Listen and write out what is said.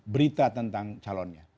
berita tentang calonnya